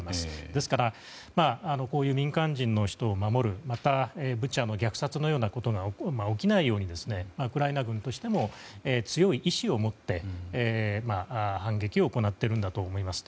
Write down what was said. ですから、こういう民間人を守るまたブチャの虐殺のようなことが起きないようにウクライナ軍としても強い意志を持って、反撃を行っているんだと思います。